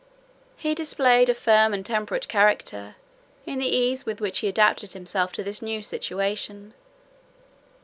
He displayed a firm and temperate character in the ease with which he adapted himself to this new situation.